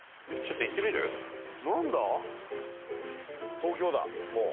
東京だもう。